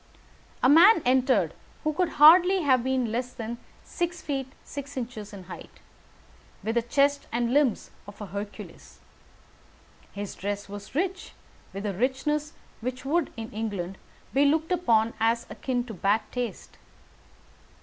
A man entered who could hardly have been less than six feet six inches in height, with the chest and limbs of a Hercules. His dress was rich with a richness which would, in England, be looked upon as akin to bad taste.